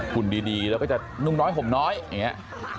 หุ่นดีแล้วก็จะนุ่งน้อยห่มน้อยอย่างนี้